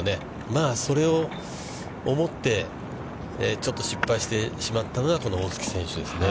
まあ、それを思って、ちょっと失敗してしまったのがこの大槻選手ですね。